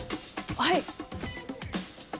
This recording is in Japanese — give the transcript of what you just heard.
はい。